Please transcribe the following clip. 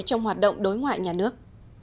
trong hoạt động đối ngoại nhà nước